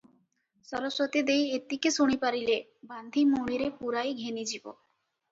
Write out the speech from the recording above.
ସରସ୍ୱତୀ ଦେଈ ଏତିକି ଶୁଣି ପାରିଲେ, ବାନ୍ଧି ମୁଣିରେ ପୁରାଇ ଘେନିଯିବ ।